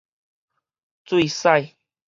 醉駛